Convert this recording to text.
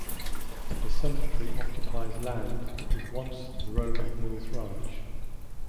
The cemetery occupies land that was once the Rolling Hills Ranch.